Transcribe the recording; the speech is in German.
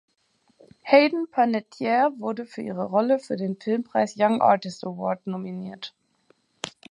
Hayden Panettiere wurde für ihre Rolle für den Filmpreis "Young Artist Award" nominiert.